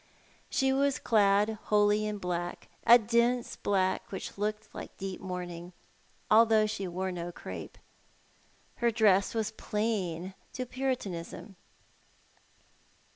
She was clad wholly in black, a dense black which looked like deep mourning, although she wore no crape. Her dress was plain to Puritanism.